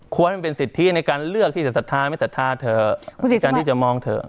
ควรเป็นสิทธิในการเลือกที่จะศรัทธาหรือไม่ศรัทธาเธอการที่จะมองเธอ